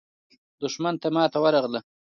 دښمن ته ماته ورغله.